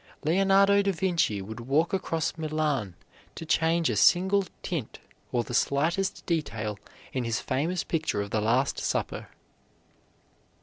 Leonardo da Vinci would walk across Milan to change a single tint or the slightest detail in his famous picture of the Last Supper.